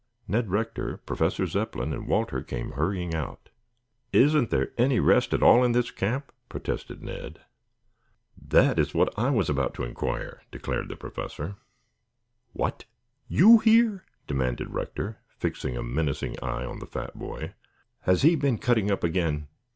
Ned Rector, Professor Zepplin and Walter came hurrying out. "Isn't there any rest at all in this camp?" protested Ned. "That is what I was about to inquire," declared the Professor. "What! You here?" demanded Rector, fixing a menacing eye on the fat boy. "Has he been cutting up again?"